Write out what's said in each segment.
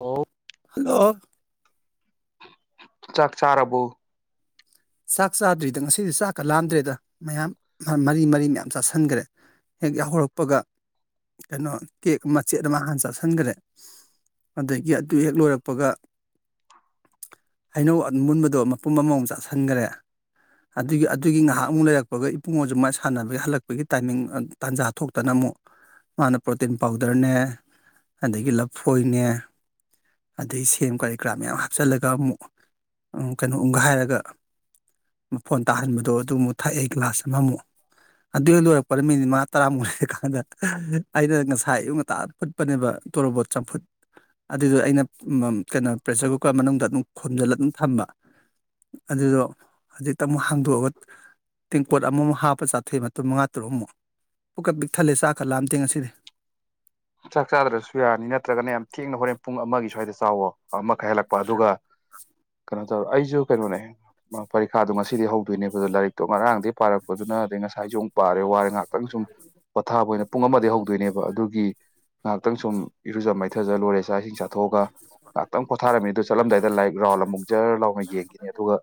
ꯑꯣ ꯍꯜꯂꯣ ꯆꯥꯛ ꯆꯥꯔꯔꯕꯕꯨ ꯆꯥꯛ ꯆꯥꯗ꯭ꯔꯤꯗ ꯉꯁꯤꯗꯤ ꯆꯥꯛꯀ ꯂꯥꯝꯗ꯭ꯔꯦꯗ ꯃꯌꯥꯝ ꯃꯔꯤ ꯃꯔꯤ ꯃꯌꯥꯝ ꯆꯥꯁꯤꯟꯈ꯭ꯔꯦ ꯍꯦꯛ ꯌꯥꯍꯧꯔꯛꯄꯒ ꯀꯩꯅꯣ ꯀꯦꯛ ꯑꯃꯆꯦꯠ ꯑꯃ ꯍꯥꯟꯅ ꯆꯥꯥꯁꯟꯈ꯭ꯔꯦ ꯑꯗꯒꯤ ꯑꯗꯨ ꯍꯦꯛ ꯂꯣꯏꯔꯛꯄꯒ ꯍꯩꯅꯧ ꯃꯨꯟꯕꯗꯣ ꯃꯄꯨꯝ ꯑꯃꯃ ꯆꯥꯁꯤꯟꯦ ꯈꯟꯈ꯭ꯔꯦ ꯑꯗꯨꯒꯤ ꯑꯗꯨꯒꯤ ꯉꯥꯏꯍꯥꯛ ꯑꯃꯨꯛ ꯂꯩꯔꯛꯄꯒ ꯏꯄꯨꯡ ꯑꯗꯨꯁꯨ ꯃꯥꯏ ꯁꯥꯟꯅꯕꯒꯤ ꯍꯜꯂꯛꯄꯒꯤ ꯇꯥꯏꯃꯤꯡ ꯇꯥꯟꯖꯥ ꯊꯣꯛꯇꯅ ꯑꯃꯨꯛ ꯃꯥꯅ ꯄ꯭ꯔꯣꯇꯤꯟ ꯄꯥꯎꯗꯔꯅꯦ ꯑꯗꯒꯤ ꯂꯐꯣꯏꯅꯦ ꯑꯗꯩ ꯁꯦꯝ ꯀꯔꯤ ꯀꯔꯥ ꯃꯌꯥꯝ ꯍꯥꯞꯆꯤꯜꯂꯒ ꯑꯃꯨꯛ ꯀꯩꯅꯣ ꯑꯃꯨꯒ ꯍꯥꯏꯔꯒ ꯃꯣꯟ ꯇꯥꯍꯟꯕꯗꯣ ꯑꯗꯨ ꯑꯃꯨꯛ ꯊꯛꯑꯦ ꯒ꯭ꯂꯥꯁ ꯑꯃꯃꯨꯛ ꯑꯗꯨꯗ ꯂꯣꯏꯔꯛꯄꯗ ꯃꯤꯅꯤꯠ ꯃꯉꯥ ꯇꯔꯥꯃꯨꯛ ꯂꯩꯔꯀꯥꯟꯗ ꯑꯩꯅ ꯉꯁꯥꯏ ꯑꯌꯨꯛ ꯉꯟꯇꯥ ꯐꯨꯠꯄꯅꯦꯕ ꯇꯣꯔꯣꯕꯣꯠ ꯆꯝꯐꯨꯠ ꯑꯗꯨꯗꯣ ꯑꯩꯅ ꯀꯩꯅꯣ ꯄ꯭ꯔꯦꯁꯔ ꯀꯨꯀꯔ ꯃꯅꯨꯡꯗ ꯑꯗꯨꯝ ꯈꯣꯝꯖꯤꯜꯂ ꯑꯗꯨꯝ ꯊꯝꯕ ꯑꯗꯨꯗꯣ ꯍꯧꯖꯤꯛꯇ ꯑꯃꯨꯛ ꯍꯥꯡꯗꯣꯛꯑꯒ ꯇꯦꯡꯄꯣꯠ ꯑꯃꯃꯨꯛ ꯍꯥꯞꯄ ꯆꯥꯊꯩ ꯃꯇꯨꯡ ꯃꯉꯥ ꯇꯔꯨꯛ ꯑꯃꯨꯛ ꯄꯨꯛꯀ ꯄꯤꯛ ꯊꯜꯂꯦ ꯆꯥꯛ ꯈꯠꯂꯥꯑꯝ ꯇꯦꯡ ꯑꯁꯤꯗꯤ ꯆꯥꯛ ꯆꯥꯗ꯭ꯔꯁꯨ ꯌꯥꯅꯤ ꯅꯠꯇ꯭ꯔꯒꯅ ꯌꯥꯝ ꯊꯦꯡꯅ ꯍꯣꯔꯦꯟ ꯄꯨꯡ ꯑꯃꯒꯤ ꯁ꯭ꯋꯥꯏꯗ ꯆꯥꯎꯋꯣ ꯑꯃ ꯈꯥꯏ ꯍꯜꯂꯛꯄ ꯑꯗꯨꯒ ꯀꯩꯅꯣ ꯇꯧꯔ ꯑꯩꯁꯨ ꯀꯩꯅꯣꯅꯦ ꯄꯔꯤꯈꯥꯗꯣ ꯉꯁꯤꯗꯤ ꯍꯧꯗꯣꯏꯅꯦꯕ ꯑꯣ ꯂꯥꯏꯔꯤꯛꯇꯣ ꯉꯔꯥꯡꯗꯒꯤꯩ ꯄꯥꯔꯛꯄꯗꯨꯅ ꯑꯗꯩ ꯉꯁꯥꯏꯁꯨ ꯑꯃꯨꯛ ꯄꯥꯔꯦ ꯋꯥꯔꯦ ꯉꯥꯏꯍꯥꯛꯇꯪ ꯁꯨꯝ ꯄꯣꯊꯥꯕ ꯑꯣꯏꯅ ꯄꯨꯡ ꯑꯃꯗꯩ ꯍꯧꯗꯣꯏꯅꯦꯕ ꯑꯗꯨꯒꯤ ꯉꯥꯏꯍꯥꯛꯇꯪ ꯁꯨꯝ ꯏꯔꯨꯖ ꯃꯥꯏꯊꯖ ꯂꯣꯏꯔꯦ ꯆꯥꯛ ꯏꯁꯤꯡ ꯆꯥꯊꯣꯛꯑꯒ ꯉꯥꯏꯍꯥꯛꯇꯪ ꯄꯣꯊꯥꯔꯝꯃꯤ ꯑꯗꯨ ꯆꯠꯂꯝꯗꯥꯏꯗ ꯂꯥꯏꯔꯤꯛ ꯔꯥꯎꯟ ꯑꯃꯨꯛ ꯖꯔ ꯂꯥꯎꯅ ꯌꯦꯡꯈꯤꯅꯤ ꯑꯗꯨꯒ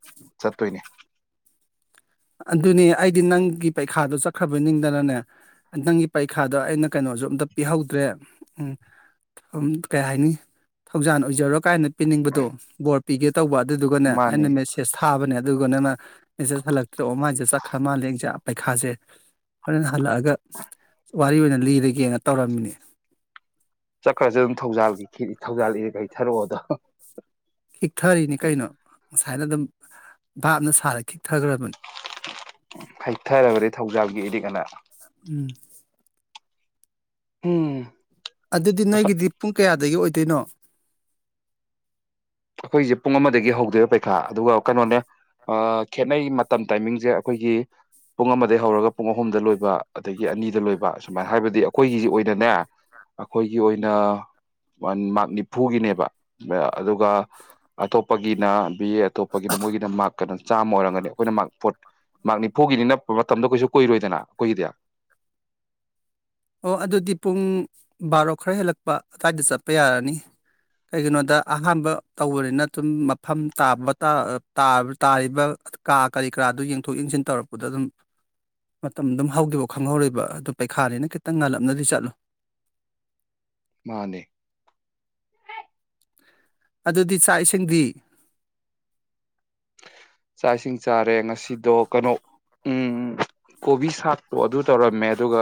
ꯆꯠꯇꯣꯏꯅꯦ ꯑꯗꯨꯅꯦ ꯑꯩꯗꯤ ꯅꯪꯒꯤ ꯄꯔꯤꯈꯥꯗꯣ ꯆꯠꯈ꯭ꯔꯕ ꯅꯤꯡꯗꯅꯅꯦ ꯅꯪꯒꯤ ꯄꯔꯤꯈꯥꯗꯣ ꯑꯩꯅ ꯀꯩꯅꯣꯁꯨ ꯑꯝꯇ ꯄꯤꯍꯧꯗ꯭ꯔꯦ ꯎꯝ ꯀꯩ ꯍꯥꯏꯅꯤ ꯊꯧꯖꯥꯟ ꯑꯣꯏꯖꯔꯣ ꯀꯥꯏꯅ ꯄꯤꯅꯤꯡꯕꯗꯣ ꯕꯣꯔ ꯄꯤꯒꯦ ꯇꯧꯕ ꯑꯗꯨꯗꯨꯒꯅꯦ ꯑꯩꯅ ꯃꯥꯅꯤ ꯃꯦꯁꯦꯁ ꯐꯥꯕꯅꯦ ꯑꯗꯨꯒꯅꯅ ꯃꯦꯁꯦꯁ ꯍꯠꯂꯛꯇꯦ ꯇ꯭ꯔꯣ ꯃꯥꯏꯁꯦ ꯆꯠꯈ꯭ꯔ ꯃꯥꯜꯂꯦꯁꯦ ꯄꯩꯈꯥꯁꯦ ꯍꯣꯔꯅ ꯍꯜꯂꯛꯑꯒ ꯋꯥꯔꯤ ꯑꯣꯏꯅ ꯂꯤꯔꯒꯦꯅ ꯇꯧꯔꯝꯃꯤꯅꯤ ꯈꯔꯁꯨ ꯑꯗꯨꯝ ꯊꯧꯖꯥꯒꯤ ꯈꯦꯠ ꯍꯧꯖꯥꯜꯔꯦ ꯀꯩ ꯊꯥꯔꯛꯑꯣꯗ ꯈꯤꯛꯊꯔꯤꯅꯤ ꯀꯩꯅꯣ ꯉꯁꯥꯏꯅ ꯑꯗꯨꯝ ꯚꯥꯞꯅ ꯁꯥꯔ ꯈꯤꯛꯊꯈ꯭ꯔꯕꯅꯤ ꯍꯩꯊꯔꯕꯅꯤ [unintelligible] ꯎꯝ ꯎꯝ ꯑꯗꯨꯗꯤ ꯑꯁ ꯅꯣꯏꯒꯤꯗꯤ ꯄꯨꯡ ꯀꯌꯥꯗꯒꯤ ꯑꯣꯏ ꯇꯤꯅꯣ ꯑꯩꯈꯣꯏꯁꯦ ꯄꯨꯡ ꯑꯃꯗꯒꯤ ꯍꯧꯗꯣꯏꯕ ꯄꯩꯈꯥ ꯑꯗꯨꯒ ꯀꯩꯅꯣꯅꯦ ꯈꯦꯠꯅꯩ ꯃꯇꯝ ꯇꯥꯏꯃꯤꯡꯁꯦ ꯑꯩꯈꯣꯏꯒꯤ ꯄꯨꯡ ꯑꯃꯗꯒꯤ ꯍꯧꯔꯒ ꯄꯨꯡ ꯑꯍꯨꯝꯗ ꯂꯣꯏꯕ ꯑꯗꯒꯤ ꯑꯅꯤꯗ ꯂꯣꯏꯕ ꯁꯨꯃꯥꯏꯅ ꯍꯥꯏꯕꯗꯤ ꯑꯩꯈꯣꯏꯒꯤꯁꯤ ꯑꯣꯏꯅꯅꯦ ꯑꯩꯈꯣꯏꯒꯤ ꯑꯣꯏꯅ ꯃꯥꯔ ꯅꯤꯐꯨꯒꯤꯅꯦꯕ ꯑꯗꯨꯒ ꯑꯇꯣꯞꯄꯒꯤꯅ ꯑꯇꯣꯞꯄꯒꯤꯅ ꯃꯣꯏꯒꯤꯅ ꯃꯥꯔꯛꯀꯩꯅꯣ ꯆꯥꯝꯃ ꯑꯣꯏꯔꯝꯒꯅꯤ ꯑꯩꯈꯣꯏꯅ ꯃꯥꯔ ꯐꯠ ꯃꯥꯔ ꯅꯤꯐꯨꯒꯤꯅꯤ ꯅꯛꯄ ꯃꯇꯝꯗ ꯀꯩꯁꯨ ꯀꯨꯏꯔꯣꯏꯗꯅ ꯀꯣꯏꯈꯤꯗ ꯑꯣ ꯑꯗꯨꯗꯤ ꯄꯨꯡ ꯕꯥꯔꯣ ꯈꯔ ꯍꯦꯜꯂꯛꯄ ꯑꯗꯨꯋꯥꯏꯗ ꯆꯠꯄ ꯌꯥꯔꯅꯤ ꯀꯩꯒꯤꯅꯣꯗ ꯑꯍꯥꯟꯕ ꯇꯧꯕꯅꯤꯅ ꯑꯗꯨꯝ ꯃꯐꯝ ꯇꯥꯕ ꯇꯥꯔꯤꯕ ꯀꯥ ꯀꯔꯤ ꯀꯔꯥꯗꯨ ꯌꯦꯡꯊꯣꯛ ꯌꯦꯡꯁꯤꯟ ꯇꯧꯔꯛꯄꯗ ꯑꯗꯨꯝ ꯃꯇꯝ ꯑꯗꯨꯝ ꯍꯧꯈꯤꯕ ꯈꯪꯍꯧꯔꯤꯕ ꯑꯗꯨ ꯄꯩꯈꯥꯅꯤꯅ ꯇ ꯈꯤꯇꯪ ꯉꯥꯜꯂꯞꯅꯗꯤ ꯆꯠꯂꯨ ꯃꯥꯅꯦ ꯑꯗꯨꯗꯤ ꯆꯥꯛ ꯏꯁꯤꯡꯗꯤ ꯆꯥꯏꯁꯤꯡ ꯆꯥꯔꯦ ꯉꯁꯤꯗꯣ ꯀꯩꯅꯣ ꯎꯝ ꯀꯣꯕꯤ ꯁꯥꯥꯛꯇꯣ ꯑꯗꯨ ꯇꯧꯔꯝꯃꯦ ꯑꯗꯨꯒ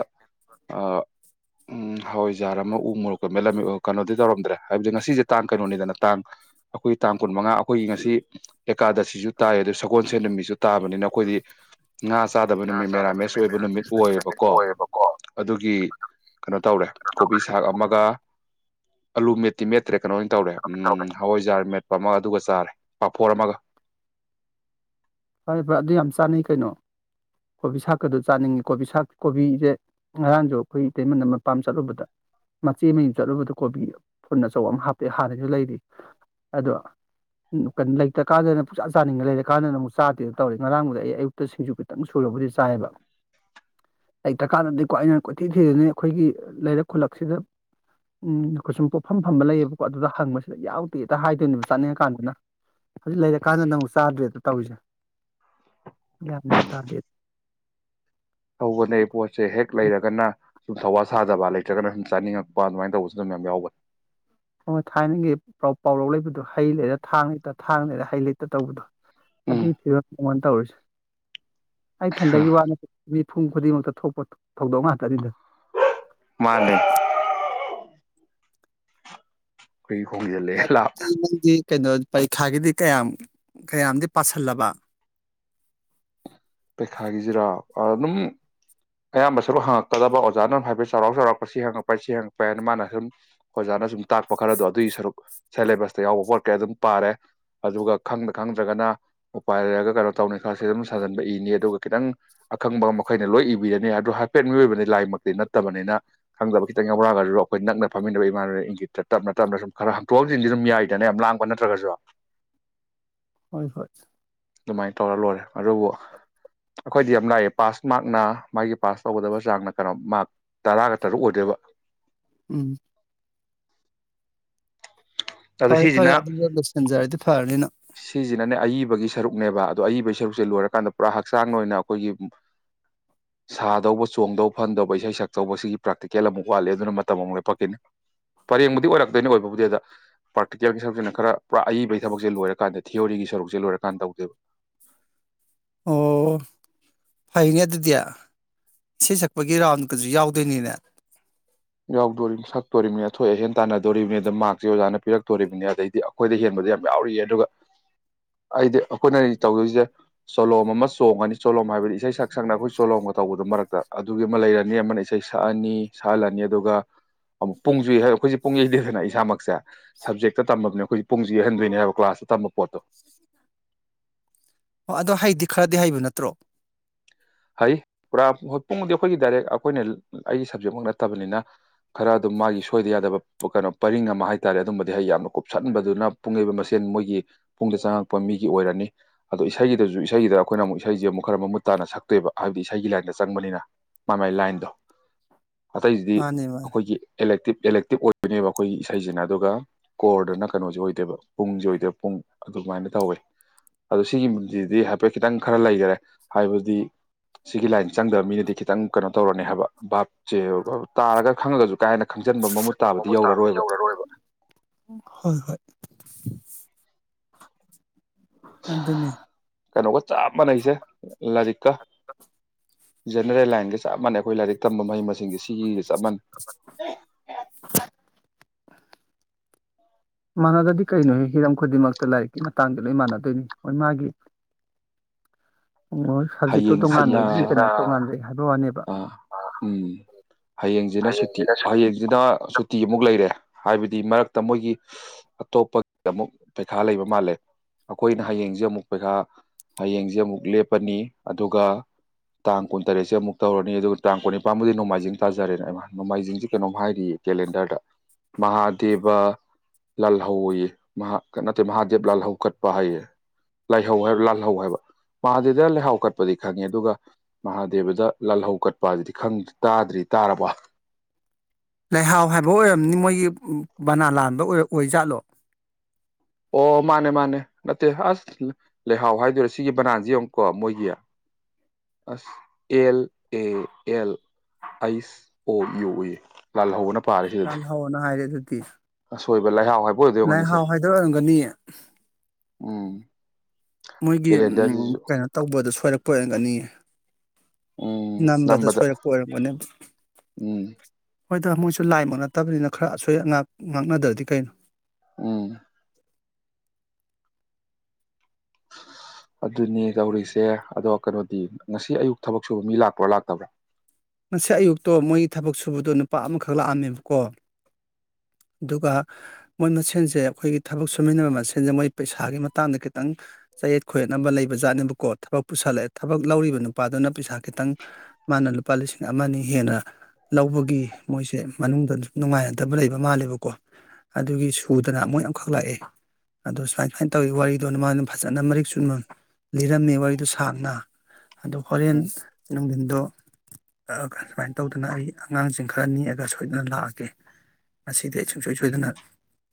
ꯎꯝ ꯍꯋꯥꯏꯖꯥꯔ ꯑꯃ ꯎ ꯃꯣꯔꯣꯛꯀ ꯃꯂꯝꯃꯤ ꯀꯩꯅꯣꯗꯤ ꯇꯧꯔꯝꯗ꯭ꯔꯦ ꯍꯥꯏꯕꯗꯤ ꯉꯁꯤꯁꯦ ꯇꯥꯡ ꯀꯩꯅꯣꯅꯤꯗꯅ ꯇꯥꯡ ꯑꯩꯈꯣꯏ ꯇꯥꯡ ꯀꯨꯟ ꯃꯉꯥ ꯑꯩꯈꯣꯏꯒꯤ ꯉꯁꯤ ꯀꯥꯗ ꯁꯤꯁꯨ ꯇꯥꯏ ꯑꯗꯨ ꯁꯒꯣꯜꯁꯦꯟ ꯅꯨ ꯃꯤꯁꯨ ꯇꯥꯕꯅꯤꯅ ꯑꯩꯈꯣꯏꯗꯤ ꯉꯥ ꯆꯥꯗꯕ ꯉꯥ ꯅꯨꯃꯤꯠ ꯆꯥꯗꯕꯅ ꯃꯦꯔꯥꯃꯦꯁ ꯃꯦꯟ ꯑꯣꯏꯕ ꯃꯌꯥꯝ ꯅꯨꯃꯤꯠ ꯃꯤꯁ ꯑꯣꯏꯕ ꯅꯨꯃꯤꯠ ꯑꯣꯏꯌꯦꯕꯀꯣ ꯑꯣꯏꯌꯦꯕꯀꯣ ꯑꯗꯨꯒꯤ ꯀꯩꯅꯣ ꯇꯧꯔꯦ ꯀꯣꯕꯤ ꯁꯥꯛ ꯑꯃꯒ ꯑꯂꯨ ꯃꯦꯇꯤꯃꯦꯠ ꯅꯠꯇ꯭ꯔꯦ ꯀꯩꯅꯣ ꯑꯣꯏꯅ ꯇꯧꯔꯦ ꯇꯧꯔꯦ ꯍꯋꯥꯏꯖꯥꯔꯃꯦꯠ ꯑꯃꯒ ꯑꯗꯨꯒ ꯆꯥꯔꯦ ꯄꯥꯐꯣꯔ ꯑꯃꯒ ꯐꯔꯦ ꯐꯔꯦ ꯑꯗꯨ ꯌꯥꯝ ꯆꯥꯅꯩ ꯀꯩꯅꯣ ꯀꯣꯕꯤ ꯁꯥꯛꯀꯗꯨ ꯆꯥꯅꯤꯡꯉꯤ ꯀꯣꯕꯤ ꯁꯥꯛ ꯀꯣꯕꯤꯁꯦ ꯉꯔꯥꯡꯁꯨ ꯑꯩꯈꯣꯏ ꯏꯇꯩꯃꯅ ꯃꯄꯥꯝ ꯆꯠꯂꯨꯕꯗ ꯃꯆꯦ ꯃꯌ ꯆꯠꯂꯨꯕꯗ ꯀꯣꯕꯤ ꯐꯨꯟ ꯑꯆꯧꯕ ꯑꯃ ꯍꯥꯞꯄꯦ ꯍꯥꯟꯅꯁꯨ ꯂꯩꯔꯤ ꯑꯗꯣ ꯀꯩꯅꯣ ꯂꯩꯇ꯭ꯔꯀꯥꯟꯗꯅ ꯄꯨꯛꯆꯥꯥ ꯆꯥꯅꯤꯡꯉ ꯂꯩꯔꯀꯥꯟꯗꯅ ꯑꯃꯨꯛ ꯆꯥꯗꯦꯗ ꯇꯧꯔꯤ ꯉꯔꯥꯡꯕꯨꯗꯤ ꯑꯩ ꯑꯌꯨꯛꯇ ꯁꯤꯡꯖꯨ ꯈꯤꯇꯪ ꯁꯨꯔꯕꯨꯗꯤ ꯆꯥꯏꯌꯦꯕ ꯂꯩꯇ꯭ꯔꯀꯥꯟꯗꯗꯤꯀꯣ ꯑꯩꯅ ꯀꯣꯏꯊꯤ ꯊꯤꯗꯅꯤ ꯑꯩꯈꯣꯏꯒꯤ ꯂꯩꯔꯛ ꯈꯨꯂꯛꯁꯤꯗ ꯎ ꯑꯩꯈꯣꯏ ꯁꯨꯝ ꯄꯣꯠꯐꯝ ꯐꯝꯕ ꯂꯩꯌꯦꯕꯀꯣ ꯑꯗꯨꯗ ꯍꯪꯕꯁꯤꯗ ꯌꯥꯎꯗꯦꯗ ꯍꯥꯏꯗꯣꯏꯅꯦꯕ ꯆꯥꯅꯤꯡꯉꯀꯥꯟꯗꯅ ꯍꯧꯖꯤꯛ ꯂꯩꯔꯀꯥꯟꯗ ꯅꯪꯕꯨ ꯆꯥꯗ꯭ꯔꯦꯗ ꯇꯧꯔꯤꯁꯦ ꯒ꯭ꯌꯥꯟ ꯃꯦꯟ ꯇꯥꯗꯦ ꯇꯧꯕꯅꯦ ꯄꯣꯠꯁꯦ ꯍꯦꯛ ꯂꯩꯔꯒꯅ ꯁꯨꯝ ꯊꯧꯋꯥ ꯁꯥꯖꯕ ꯂꯩꯇ꯭ꯔꯒꯅ ꯁꯨꯝ ꯆꯥꯅꯤꯡꯉꯛꯄ ꯑꯗꯨꯃꯥꯏꯅ ꯇꯧꯕꯁꯨ ꯑꯗꯨꯝ ꯃꯌꯥꯝ ꯌꯥꯎꯕꯅꯤ ꯍꯣꯏꯣꯏ ꯊꯥꯏꯅꯒꯤ ꯄꯥꯎꯔꯥꯎ ꯂꯩꯕꯗꯣ ꯍꯩ ꯂꯩꯔ ꯊꯥꯡ ꯂꯩꯇ ꯊꯥꯡ ꯂꯩꯔ ꯍꯩ ꯂꯩꯇ ꯇꯧꯕꯗꯣ ꯎꯝ ꯑꯗꯨꯒꯤꯔ ꯀꯃꯟ ꯇ ꯑꯣꯏꯔꯁꯤ ꯑꯩꯊꯟꯗꯒꯤ ꯋꯥꯠꯅꯠꯇ ꯃꯤꯄꯨꯝ ꯈꯨꯗꯤꯡꯃꯛꯇ ꯊꯣꯛꯄꯣ ꯊꯧꯗꯣꯛ ꯉꯥꯛꯇ ꯑꯗꯨꯗ ꯃꯥꯅꯦ [inaudible] ꯑꯩꯈꯣꯏꯒꯤ ꯍꯣꯡꯖꯤꯜꯂꯛꯑꯦ ꯂꯥꯞꯅ ꯗꯤ ꯀꯩꯅꯣ ꯄꯔꯤꯈꯥꯒꯤꯗꯤ ꯀꯌꯥꯝ ꯀꯌꯥꯝꯗꯤ ꯄꯥꯥꯁꯜꯂꯕ ꯄꯩꯈꯥꯒꯤꯁꯤꯔꯥ ꯑꯗꯨꯝ ꯑꯌꯥꯝꯕ ꯁꯔꯨꯛ ꯍꯪꯉꯛꯀꯗꯕ ꯑꯣꯖꯥꯅ ꯍꯥꯏꯐꯦꯠ ꯆꯥꯎꯔꯥꯛ ꯆꯥꯎꯔꯛꯄ ꯁꯤ ꯍꯪꯉꯛꯄ ꯍꯥꯏ ꯁꯤ ꯍꯪꯉꯛꯄ ꯍꯥꯏꯅ ꯃꯥꯅ ꯁꯨꯝ ꯑꯣꯖꯥꯅ ꯁꯨꯝ ꯇꯥꯛꯄ ꯈꯔꯗꯣ ꯑꯗꯨꯒꯤ ꯁꯔꯨꯛ ꯁꯦꯂꯦꯕꯁꯇ ꯌꯥꯎꯕ ꯄꯣꯠ ꯀꯩ ꯑꯗꯨꯝ ꯄꯥꯔꯦ ꯑꯗꯨꯒ ꯈꯪꯗ ꯈꯪꯗ꯭ꯔꯒꯅ ꯎꯄꯥꯏ ꯂꯩꯔꯒ ꯀꯩꯅꯣ ꯇꯧꯅꯤ ꯈꯔ ꯁꯤ ꯑꯗꯨꯝ ꯁꯥꯖꯟ ꯏꯅꯤ ꯑꯗꯨꯒ ꯈꯤꯇꯪ ꯑꯈꯪꯕ ꯃꯈꯩꯅ ꯂꯣꯏ ꯏꯕꯤꯗꯅꯤ ꯑꯗꯨꯣ ꯍꯥꯏꯐꯦꯠ ꯃꯤꯑꯣꯏꯕꯅꯤ ꯂꯥꯏꯃꯛꯇꯤ ꯅꯠꯇꯕꯅꯤꯅ ꯈꯪꯗꯕ ꯈꯤꯇꯪ ꯌꯥꯎꯔꯛꯑꯒꯁꯨ ꯑꯩꯈꯣꯏ ꯅꯛꯅ ꯐꯝꯃꯤꯟꯅꯕ ꯏꯃꯥꯟꯅꯕꯅ ꯏꯪꯒꯤꯠꯇ ꯇꯞꯅ ꯇꯞꯅ ꯁꯨꯝ ꯈꯔ ꯍꯝꯇꯣꯛ ꯍꯟꯖꯤꯟꯗꯤ ꯁꯨꯝ ꯌꯥꯏꯗꯅ ꯌꯥꯝ ꯂꯥꯡꯕ ꯅꯠꯇ꯭ꯔꯒꯁꯨ ꯍꯣꯏ ꯐꯣꯏ ꯑꯗꯨꯃꯥꯏꯅ ꯇꯧꯔ ꯂꯣꯏꯔꯦ ꯑꯗꯨꯕꯨ ꯑꯩꯈꯣꯏꯗꯤ ꯌꯥꯝ ꯂꯥꯛꯑꯦ ꯄꯥꯁ ꯃꯥꯔꯛꯅ ꯃꯥꯒꯤ ꯄꯥꯁ ꯇꯧꯒꯗꯕ ꯆꯥꯡꯅ ꯀꯩꯅꯣ ꯃꯥꯔꯛ ꯇꯔꯥꯒ ꯇꯔꯨꯛ ꯑꯣꯏꯗꯣꯏꯕ ꯎꯝ ꯑꯗꯣ ꯐꯔꯦ ꯐꯔꯦ ꯁꯤꯁꯤꯅ ꯑꯗꯨꯝꯗ ꯂꯣꯏꯁꯤꯟꯖꯔꯗꯤ ꯐꯔꯅꯤꯅ ꯁꯤꯁꯤꯅꯅꯦ ꯑꯏꯕꯒꯤ ꯁꯔꯨꯛꯅꯦꯕ ꯑꯗꯣ ꯑꯏꯕ ꯁꯔꯨꯛꯁꯦ ꯂꯣꯏꯔꯀꯥꯟꯗ ꯄꯨꯔꯥ ꯍꯛꯆꯥꯡ ꯑꯣꯏꯅ ꯑꯩꯈꯣꯏꯒꯤ ꯁꯥꯗꯧꯕ ꯆꯣꯡꯗꯧꯕ ꯐꯟꯗꯧꯕ ꯏꯁꯩ ꯁꯛ ꯇꯧꯕꯁꯤꯒꯤ ꯄ꯭ꯔꯥꯛꯇꯤꯀꯦꯜ ꯑꯃꯨꯛ ꯋꯥꯠꯂꯦ ꯑꯗꯨꯅ ꯃꯇꯝ ꯑꯃꯨꯛ ꯂꯄꯛꯈꯤꯅꯤ ꯄꯔꯦꯡꯕꯨꯗꯤ ꯑꯣꯏꯔꯛꯇꯣꯏꯅꯤ ꯑꯣꯏꯕꯕꯨꯗꯤ ꯑꯗ ꯄ꯭ꯔꯥꯛꯇꯤꯀꯦꯜꯒꯤ ꯁꯔꯨꯛꯁꯤꯅ ꯈꯔ ꯄꯨꯔꯥ ꯑꯏꯕꯒꯤ ꯊꯕꯛꯁꯦ ꯂꯣꯏꯔꯀꯥꯟꯗ ꯊꯤꯑꯣꯣꯔꯤꯒꯤ ꯁꯔꯨꯛꯁꯦ ꯂꯣꯏꯔꯀꯥꯟꯗ ꯇꯧꯗꯦꯕ ꯑꯣ ꯐꯩꯅꯦ ꯑꯗꯨꯗꯤ ꯏꯁꯩ ꯁꯛꯄꯒꯤ ꯔꯥꯎꯟꯗꯨꯗꯁꯨ ꯌꯥꯎꯗꯣꯏꯅꯤꯅꯦ ꯌꯥꯎꯗꯣꯔꯤꯕ ꯁꯛꯇꯣꯔꯤꯕꯅꯤ ꯑꯊꯣꯏ ꯑꯍꯦꯟ ꯇꯥꯟꯅꯗꯣꯔꯤꯕꯅꯤ ꯑ ꯃꯥꯛꯛꯁꯦ ꯑꯣꯖꯥꯅ ꯄꯤꯔꯛꯇꯣꯔꯤꯕꯅꯤ ꯑꯗꯩꯗꯤ ꯑꯩꯈꯣꯏꯗ ꯍꯦꯟꯕꯗ ꯌꯥꯝ ꯌꯥꯎꯔꯤꯌꯦ ꯑꯗꯨꯒ ꯑꯩꯗꯤ ꯑꯩꯈꯣꯏꯅ ꯇꯧꯗꯣꯏꯔꯤꯁꯤꯦ ꯆꯣꯂꯣꯝ ꯑꯃ ꯆꯣꯡꯉꯅꯤ ꯆꯣꯂꯣꯝ ꯍꯥꯏꯕꯗꯤ ꯏꯁꯩ ꯁꯛ ꯁꯛꯅ ꯑꯩꯈꯣꯏ ꯆꯣꯂꯣꯝꯒ ꯇꯧꯕꯗ ꯃꯔꯛꯇ ꯑꯗꯨꯒꯤ ꯑꯃ ꯂꯩꯔꯅꯤ ꯑꯃꯅ ꯏꯁꯩ ꯁꯛꯑꯅꯤ ꯁꯛꯍꯜꯂꯅꯤ ꯑꯗꯨꯒ ꯑꯃꯨꯛ ꯄꯨꯡꯁꯨ ꯑꯩꯈꯣꯏꯁꯦ ꯄꯨꯡ ꯌꯩꯗꯦꯗꯅ ꯏꯁꯥꯃꯛꯁꯦ ꯁꯕꯖꯦꯛꯇ ꯇꯝꯃꯕꯅꯤ ꯑꯩꯈꯣꯏꯁꯦ ꯄꯨꯡꯁꯨ ꯌꯩꯍꯟꯗꯣꯏꯅꯦ ꯍꯥꯏꯕ ꯀ꯭ꯂꯥꯁꯇ ꯇꯝꯕ ꯄꯣꯠꯇꯣ ꯑꯣ ꯑꯗꯣ ꯍꯩꯗꯤ ꯈꯔꯗꯤ ꯍꯩꯕ ꯅꯠꯇ꯭ꯔꯣ ꯍꯩ ꯄꯨꯔꯥ ꯄꯨꯡꯗꯤ ꯑꯩꯈꯣꯏꯒꯤ ꯗꯥꯏꯔꯦꯛ ꯑꯩꯈꯣꯏꯅ ꯑꯩꯒꯤ ꯁꯞꯖꯦꯛꯃꯛ ꯅꯠꯇꯕꯅꯤꯅ ꯈꯔ ꯑꯗꯨꯝ ꯃꯥꯒꯤ ꯁꯣꯏꯗ ꯌꯥꯗꯕ ꯀꯩꯅꯣ ꯄꯔꯤꯡ ꯑꯃ ꯍꯥꯏ ꯇꯥꯔꯦ ꯑꯗꯨꯝꯕꯗꯤ ꯍ ꯌꯥꯝꯅ ꯀꯨꯞꯁꯟꯕꯗꯨꯅ ꯄꯨꯡꯉꯩꯕ ꯃꯁꯦꯟ ꯃꯣꯏꯒꯤ ꯄꯨꯡꯗ ꯆꯪꯉꯛꯄ ꯃꯤꯒꯤ ꯑꯣꯏꯔꯅꯤ ꯑꯗꯣ ꯏꯁꯩꯒꯤꯗꯁꯨ ꯏꯁꯩꯒꯤꯗ ꯑꯩꯈꯣꯏꯅ ꯑꯃꯨꯛ ꯏꯁꯩꯁꯦ ꯑꯃꯨꯛ ꯈꯔ ꯃꯃꯨꯠ ꯇꯥꯅ ꯁꯛ ꯊꯣꯛꯣꯏꯕ ꯍꯥꯏꯕꯗꯤ ꯏꯁꯩꯒꯤ ꯂꯥꯏꯟꯗ ꯆꯪꯕꯅꯤꯅ ꯃꯥ ꯃꯥꯏ ꯂꯥꯏꯟꯗꯣ ꯑꯇꯩꯁꯤꯗꯤ ꯃꯥꯅꯦ ꯃꯥꯅꯦ ꯑꯩꯈꯣꯏꯒꯤ ꯑꯦꯂꯦꯛꯇꯤꯞ ꯏꯂꯦꯛꯇꯤꯛ ꯑꯣꯏꯕꯣꯏꯅꯦꯕ ꯑꯩꯈꯣꯏꯒꯤ ꯏꯁꯩꯁꯤꯅ ꯑꯗꯨꯒ ꯀꯣꯔꯗꯅ ꯀꯩꯅꯣꯁꯦ ꯑꯣꯏꯗꯣꯏꯕ ꯄꯨꯡꯁꯨꯦ ꯑꯣꯏꯗꯣꯏꯕ ꯄꯨꯡ ꯑꯗꯨꯃꯥꯏꯅ ꯇꯧꯋꯦ ꯑꯗꯣ ꯁꯤꯒꯤꯁꯤꯗꯤ ꯍꯥꯏꯐꯦꯠ ꯈꯤꯇꯪ ꯈꯔ ꯂꯩꯈꯔꯦ ꯍꯥꯏꯕꯗꯤ ꯁꯤꯒꯤ ꯂꯥꯏꯟ ꯆꯪꯗꯕ ꯃꯤꯅꯗꯤ ꯈꯤꯇꯪ ꯀꯩꯅꯣ ꯇꯧꯔꯅꯤ ꯍꯥꯏꯕ ꯚꯥꯞꯁꯦ ꯚ ꯇꯥꯔꯒ ꯈꯪꯉꯒꯁꯨ ꯀꯥꯏꯅ ꯃꯃꯨꯠ ꯇꯥꯕꯗꯤ ꯌꯧꯔꯔꯣꯏꯕ ꯍ ꯍꯣꯏ ꯑꯗꯨꯗꯅꯦꯦ ꯀꯩꯅꯣꯒ ꯆꯞ ꯃꯥꯟꯅꯩꯁꯦ ꯂꯖꯤꯀꯥ ꯖꯦꯅꯔꯦꯜ ꯂꯥꯏꯟꯒ ꯆꯞ ꯃꯥꯟꯅꯩꯈ ꯂꯥꯏꯔꯤꯛ ꯇꯝꯕ ꯃꯍꯩ ꯃꯁꯤꯡꯁꯦ ꯁꯤ ꯆꯃꯟ ꯃꯥꯟꯅꯗꯗꯤ ꯀꯩꯅꯣ ꯍꯤꯔꯝ ꯈꯨꯗꯤꯡꯃꯛꯇ ꯂꯥꯏꯔꯤꯛꯀꯤ ꯃꯇꯥꯡꯗ ꯂꯣꯏ ꯃꯥꯟꯅꯗꯣꯏꯅꯤ ꯍꯣꯏ ꯃꯥꯒꯤ ꯑꯣ ꯁꯖꯦꯛꯛꯇ ꯃꯛꯇ ꯃꯦ ꯑ ꯎꯝ ꯍꯌꯦꯡꯁꯤꯅ ꯁꯨꯇꯤ ꯍꯌꯦꯡꯁꯤꯅ ꯇꯤ ꯑꯃꯨꯛ ꯂꯩꯔꯦ ꯍꯥꯏꯕꯗꯤ ꯃꯔꯛꯇ ꯃꯣꯏꯒꯤ ꯑꯇꯣꯞꯄꯒꯤ ꯑꯃꯨꯛ ꯄꯩꯈꯥ ꯂꯩꯕ ꯃꯥꯜꯂꯦ ꯑꯩꯈꯣꯏꯅ ꯍꯌꯦꯡꯁꯦ ꯑꯃꯨꯛ ꯄꯩꯈꯥ ꯍꯌꯦꯡꯁꯦ ꯑꯃꯨꯛ ꯂꯦꯞꯄꯅꯤ ꯑꯗꯨꯒ ꯇꯥꯡ ꯀꯨꯟꯇꯔꯦꯠꯁꯦ ꯑꯃꯨꯛ ꯇꯧꯔꯅꯤ ꯑꯗꯨꯒ ꯇꯥꯡ ꯀꯨꯟꯅꯤꯄꯥꯟꯕꯨꯗꯤ ꯅꯣꯡꯃꯥꯏꯖꯤꯡ ꯇꯥꯖꯔꯦꯅ ꯑꯩꯃ ꯅꯣꯡꯃꯥꯏꯖꯤꯡꯁꯤ ꯀꯩꯅꯣꯝ ꯍꯥꯏꯔꯤꯌꯦ ꯀꯦꯂꯦꯟꯗꯔꯗ ꯃꯍꯥꯗꯦꯕ ꯂꯥꯜꯍꯧꯌꯦ ꯅꯠꯇꯦ ꯃꯍꯥꯗꯦꯕ ꯂꯥꯜꯍꯧ ꯀꯠꯄ ꯍꯥꯏꯌꯦ ꯂꯥꯏꯍꯧ ꯍꯥꯏꯕ ꯂꯥꯜꯍꯧ ꯍꯥꯏꯕ ꯃꯍꯥꯗꯦꯕꯗ ꯂꯥꯏꯍꯥꯎ ꯀꯠꯄꯗꯤ ꯈꯪꯉꯦ ꯑꯗꯨꯒ ꯃꯍꯥꯗꯦꯕꯗ ꯂꯥꯜꯍꯧ ꯀꯠꯄ ꯑꯗꯨꯗꯤ ꯇꯥꯗ꯭ꯔꯤ ꯇꯥꯔꯕ ꯂꯩꯍꯥꯎ ꯍꯥꯏꯕ ꯑꯣꯏꯔꯝꯅꯤ ꯃꯣꯏꯒꯤ ꯕꯅꯥ ꯂꯥꯟꯕ ꯑꯣꯏ ꯖꯥꯠꯂꯣ ꯑꯣ ꯃꯥꯅꯦ ꯃꯥꯅꯦ ꯅꯠꯇꯦ ꯑꯁ ꯂꯩꯍꯥꯎ ꯍꯥꯏꯗꯣꯏꯔꯦ ꯁꯤꯒꯤ ꯕꯅꯥꯟꯁꯤ ꯌꯦꯡꯉꯨꯀꯣ ꯃꯣꯏꯒꯤ ꯑꯁ ꯑꯦꯜ ꯑꯦ ꯑꯦꯜ ꯑꯩꯁ ꯑꯣ ꯌꯨ ꯎꯏ ꯂꯥꯜꯍꯧꯕꯅ ꯆ ꯍꯅ ꯍꯥꯏꯔꯦ ꯑꯗꯨ ꯀꯤꯤꯁ ꯑꯁꯣꯏꯕ ꯂꯩꯍꯥꯎ ꯍꯥꯏꯕ ꯑꯣꯏꯗꯣꯏ ꯑꯣꯏꯔꯝꯒꯅꯤ ꯁꯦ ꯂꯥꯏꯍꯥꯎ ꯍꯥꯏꯗꯣꯔꯛꯑꯝꯒꯅꯤ ꯎꯝ ꯃꯣꯏꯒꯤ ꯎ ꯀꯦꯂꯦꯟꯗꯔꯁꯤꯁꯨ ꯀꯩꯅꯣ ꯇꯧꯕꯗꯣ ꯁꯣꯏꯔꯛꯄ ꯀꯣꯏꯔꯝꯒꯅꯤꯌꯦ ꯎꯝ ꯅꯝꯕꯗꯣ ꯅꯝꯕꯗ ꯁꯣꯏꯔꯛꯄ ꯑꯣꯏꯔꯝꯒꯅꯦꯕ ꯎꯝ ꯍꯣꯏꯗ ꯃꯣꯏꯁꯨ ꯂꯥꯏꯃꯛ ꯅꯠꯇꯕꯅꯤꯅ ꯈꯔ ꯑꯁꯣꯏ ꯑꯉꯥꯛ ꯉꯥꯛꯅꯗ꯭ꯔꯗꯤ ꯀꯩꯅꯣ ꯎꯝ ꯑꯗꯨꯅꯤ ꯇꯧꯔꯤꯁꯦ ꯑꯗꯣ ꯀꯩꯅꯣꯗꯤ ꯉꯁꯤ ꯑꯌꯨꯛ ꯊꯕꯛ ꯁꯨꯕ ꯃꯤ ꯂꯥꯛꯄ꯭ꯔꯣ ꯂꯥꯛꯇꯕ꯭ꯔꯣ ꯉꯁꯤ ꯑꯌꯨꯛꯇꯣ ꯃꯣꯏꯒꯤ ꯊꯕꯛ ꯁꯨꯕꯗꯣ ꯅꯨꯄꯥ ꯑꯃꯈꯛ ꯂꯥꯛꯑꯝꯃꯦꯕꯀꯣ ꯑꯗꯨꯒ ꯃꯣꯏ ꯃꯁꯦꯟꯁꯦ ꯑꯩꯈꯣꯏꯒꯤ ꯊꯕꯛ ꯁꯨꯃꯤꯟꯅꯕ ꯃꯁꯦꯟꯁꯦ ꯃꯣꯏ ꯄꯩꯁꯥꯒꯤ ꯃꯇꯥꯡꯗ ꯈꯤꯇꯪ ꯆꯌꯦꯠ ꯈꯌꯦꯠꯅꯕ ꯂꯩꯕꯖꯠꯅꯦꯕꯀꯣ ꯊꯕꯛ ꯄꯨꯁꯜꯂꯛꯑꯦ ꯊꯕꯛ ꯂꯧꯔꯤꯕ ꯅꯨꯄꯥꯗꯨꯅ ꯄꯩꯁꯥ ꯈꯤꯇꯪ ꯃꯥꯅ ꯂꯨꯄꯥ ꯂꯤꯁꯤꯡ ꯑꯃ ꯍꯦꯟꯅ ꯂꯧꯕꯒꯤ ꯃꯣꯏꯁꯦ ꯃꯅꯨꯡꯗ ꯅꯨꯡꯉꯥꯏꯅꯗꯕ ꯂꯩꯕ ꯃꯥꯜꯂꯦꯕ ꯑꯗꯨꯒꯤ ꯁꯨꯗꯅ ꯃꯣꯏ ꯑꯃꯈꯛ ꯂꯥꯛꯑꯦ ꯑꯗꯣ ꯁꯨꯃꯥꯏ ꯁꯨꯃꯥꯏꯅ ꯇꯧꯋꯤ ꯋꯥꯔꯤꯗꯣ ꯅꯃꯥꯡꯗ ꯐꯖꯅ ꯃꯔꯤꯛ ꯆꯨꯝꯅ ꯂꯤꯔꯝꯃꯦ ꯋꯥꯔꯤꯗꯣ ꯁꯥꯡꯅ ꯑꯗꯣ ꯍꯣꯔꯦꯟ ꯎꯝ ꯅꯨꯡꯊꯤꯟꯗꯣ ꯁꯨꯃꯥꯏꯅ ꯇꯧꯗꯅ ꯑꯩ ꯑꯉꯥꯡꯁꯤꯡ ꯈꯔ ꯅꯅꯤꯦꯛꯑꯒ ꯁꯣꯏꯗꯅ ꯂꯥꯛꯑꯒꯦ ꯃꯁꯤꯗꯤ ꯑꯩ ꯁꯨꯡꯁꯣꯏ ꯁꯣꯏꯗꯅ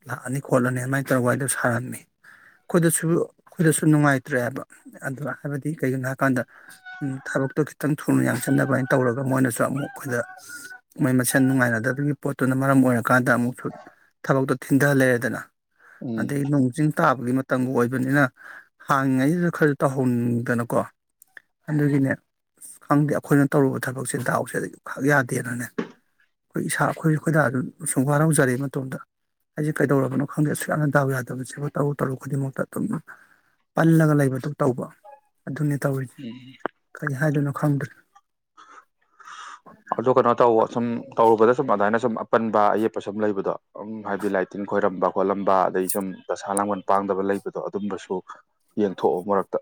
ꯂꯥꯛꯑꯅꯤ ꯈꯣꯠꯂꯅꯤ ꯑꯗꯨꯃꯥꯏꯅ ꯇꯧꯔꯒ ꯋꯥꯔꯤꯗꯣ ꯁꯥꯔꯝꯃꯤ ꯑꯩꯈꯣꯏꯗꯁꯨ ꯑꯩꯈꯣꯏꯗꯁꯨ ꯅꯨꯡꯉꯥꯏꯇ꯭ꯔꯦꯕ ꯑꯗꯨ ꯍꯥꯏꯕꯗꯤ ꯀꯩꯒꯤꯅꯣ ꯍꯥꯏꯕꯀꯥꯟꯗ ꯊꯕꯛꯇꯣ ꯈꯤꯇꯪ ꯊꯨꯅ ꯌꯥꯡꯁꯟꯅꯕ ꯍꯥꯏꯅ ꯇꯧꯔꯒ ꯃꯣꯏꯅꯁꯨ ꯑꯃꯨꯛ ꯑꯩꯈꯣꯏꯗ ꯃꯣꯏ ꯃꯁꯦꯟ ꯅꯨꯡꯉꯥꯏꯅꯗꯕꯒꯤ ꯄꯣꯠꯇꯨꯅ ꯃꯔꯝ ꯑꯣꯏꯔ ꯀꯥꯟꯗ ꯑꯃꯨꯛꯁꯨ ꯊꯕꯛꯇꯣ ꯊꯤꯟꯊꯍꯜ ꯂꯩꯔꯦꯗꯅ ꯎꯝ ꯑꯗꯗꯒꯤ ꯅꯣꯡ ꯆꯤꯡ ꯇꯥꯕꯒꯤ ꯃꯇꯝꯒ ꯑꯣꯏꯕꯅꯤꯅ ꯍꯥꯡꯉꯤꯉꯩꯗꯨꯁꯨ ꯈꯔꯁꯨ ꯇꯧꯍꯟꯅꯤꯡꯗꯅꯀꯣ ꯑꯗꯨꯒꯤꯅꯦ ꯈꯪꯗꯦ ꯑꯩꯈꯣꯏꯅ ꯇꯧꯔꯨꯕ ꯊꯕꯛꯁꯦꯗꯥꯎꯁꯦ ꯈꯛ ꯌꯥꯗꯦꯅꯅꯦ ꯑꯩꯈꯣꯏ ꯏꯁꯥ ꯑꯩꯈꯣꯏꯁꯨ ꯑꯩꯈꯣꯏꯗꯥꯁꯨ ꯁꯨꯝ ꯋꯥꯔꯧꯖꯔꯏ ꯃꯇꯨꯡꯗ ꯑꯩꯁꯦ ꯀꯩꯗꯧꯔꯕꯅꯣ ꯈꯪꯗꯦ ꯑꯁꯨꯛ ꯌꯥꯝꯅ ꯗꯥꯎ ꯌꯥꯗꯕꯁꯦꯕꯨ ꯇꯔꯨ ꯇꯔꯨ ꯈꯨꯗꯤꯡꯃꯛꯇ ꯑꯗꯨꯝ ꯄꯜꯂꯒ ꯂꯩꯕꯗꯨ ꯇꯧꯕ ꯑꯗꯨꯅꯦ ꯇꯧꯔꯤ ꯀꯔꯤ ꯍꯥꯏꯗꯣꯏꯅꯣ ꯈꯪꯗ꯭ꯔꯦ ꯑꯗꯨ ꯀꯅꯣ ꯇꯧ ꯁꯨꯝ ꯇꯧꯔꯨꯕꯗ ꯁꯨꯝ ꯑꯗꯨꯃꯥꯏꯅ ꯁꯨꯝ ꯑꯄꯟꯕ ꯑꯌꯦꯛꯠꯄ ꯁꯨꯝ ꯂꯩꯕꯗꯣ ꯎꯝ ꯍꯥꯏꯕꯤ ꯂꯥꯏꯇꯤꯟ ꯈꯣꯏꯔꯝꯕ ꯈꯣꯠꯂꯝꯕ ꯑꯗꯩ ꯁꯨꯝ ꯗꯁꯥ ꯂꯥꯡꯒꯜ ꯄꯥꯡꯗꯕ ꯂꯩꯕꯗꯣ ꯑꯗꯨꯝꯕꯁꯨ ꯌꯦꯟꯊꯣꯛꯑꯣ ꯃꯔꯛꯇ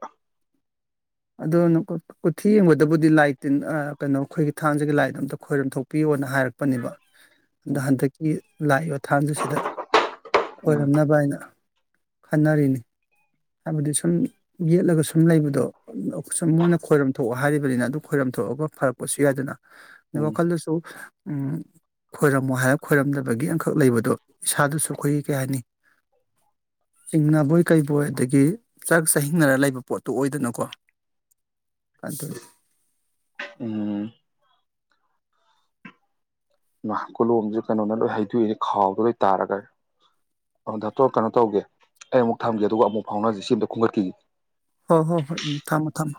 ꯑꯗꯣ ꯀꯣꯊꯤ ꯌꯦꯡꯕꯗꯕꯨꯗꯤ ꯂꯥꯏꯠꯇꯤꯟ ꯀꯩꯅꯣ ꯑꯩꯈꯣꯏꯒꯤ ꯊꯥꯡꯁꯤꯒꯤ ꯂꯥꯏꯠ ꯑꯝꯇ ꯈꯣꯏꯔꯝ ꯊꯣꯛꯄꯤꯌꯣꯅ ꯍꯥꯏꯔꯛꯄꯅꯦꯕ ꯎꯝ ꯗ ꯍꯥꯟꯗꯛꯀꯤ ꯂꯥꯛ ꯊꯥꯡꯖꯁꯤꯗ ꯎꯝ ꯈꯣꯏꯔꯝꯅꯕ ꯍꯥꯏꯅ ꯈꯟꯅꯔꯤꯅꯤ ꯍꯥꯏꯕꯗꯤ ꯁꯨꯝ ꯌꯦꯠꯂꯒ ꯁꯨꯝ ꯂꯩꯕꯗꯣ ꯁꯨꯝ ꯃꯣꯏꯅ ꯈꯣꯏꯔꯝ ꯊꯣꯛꯑ ꯍꯥꯏꯔꯤꯕꯅꯤꯅ ꯑꯗꯨ ꯈꯣꯏꯔꯝ ꯊꯣꯛꯑꯒ ꯐꯔꯛꯄꯁꯨ ꯌꯥꯏꯗꯅ ꯎꯝ ꯋꯥꯈꯜꯗꯁꯨ ꯈꯣꯏꯔꯝꯃꯣ ꯍꯥꯏꯔꯒ ꯈꯣꯏꯔꯝꯗꯕꯒꯤ ꯑꯃꯈꯛ ꯂꯩꯕꯗꯣ ꯏꯁꯥꯗꯨꯁꯨ ꯑꯩꯈꯣꯏꯒꯤ ꯀꯩ ꯍꯥꯏꯅꯤ ꯆꯤꯡꯅꯕꯣꯏ ꯀꯩꯔꯤꯕꯣꯏ ꯑꯗꯒꯤ ꯒꯤ ꯆꯔꯥꯛ ꯆꯥꯍꯤꯡꯅꯔ ꯂꯩꯕ ꯄꯣꯠꯇꯨ ꯑꯣꯏꯗꯅꯀꯣ ꯀꯗꯔꯤ ꯎꯝ ꯀꯣꯂꯣꯝꯁꯦ ꯀꯩꯅꯣꯅ ꯂꯣꯏ ꯍꯩꯗꯣꯛꯏꯅꯦ ꯈꯥꯎꯗꯣ ꯂꯣꯏ ꯇꯥꯔꯒ ꯗꯥꯛꯇꯣ ꯀꯩꯅꯣ ꯇꯧꯒꯦ ꯑꯩ ꯑꯃꯨꯛ ꯊꯝꯒꯦ ꯑꯗꯨꯒ ꯑꯃꯨꯛ ꯐꯥꯎꯅꯁꯤ ꯁꯤ ꯑꯇ ꯈꯨꯝꯒꯠꯈꯤꯒꯦ ꯍꯣꯏ ꯍꯣꯏ ꯍꯣꯏ ꯎꯝ ꯊꯝꯃꯣ ꯊꯝꯃꯣ